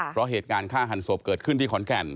เพราะเหตุการณ์ฆ่าหันศพเกิดขึ้นที่ขอนแก่น